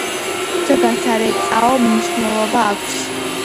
ზოგან სარეწაო მნიშვნელობა აქვს.